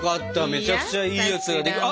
めちゃくちゃいいやつができ。